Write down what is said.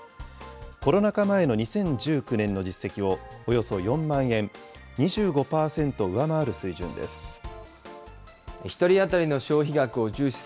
コロナ禍前の２０１９年の実績をおよそ４万円、２５％上回る水準です。